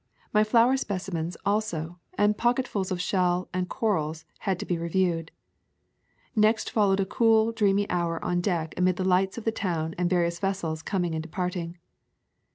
My flower speci mens, also, and pocketfuls of shells and corals had to be reviewed. Next followed a cool, dreamy hour on deck amid the lights of the town and the various vessels coming and de parting.